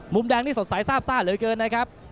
มุมแดงนี่สดใสซาบซ่าเหลือเกินนะครับ